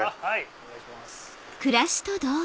お願いします。